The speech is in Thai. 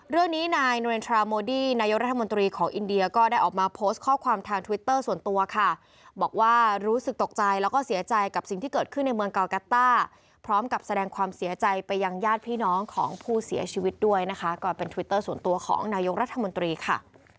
เรื่องนี้นายโนเรนทราโมดี้นายกรัฐมนตรีของอินเดียก็ได้ออกมาโพสต์ข้อความทางทวิตเตอร์ส่วนตัวค่ะบอกว่ารู้สึกตกใจแล้วก็เสียใจกับสิ่งที่เกิดขึ้นในเมืองกากัตต้าพร้อมกับแสดงความเสียใจไปยังญาติพี่น้องของผู้เสียชีวิตด้วยนะคะก็เป็นทวิตเตอร์ส่วนตัวของนายกรัฐมนตรีค่ะ